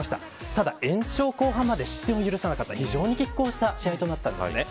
ただ延長後半まで、失点を許さなかった拮抗した試合となったんですね。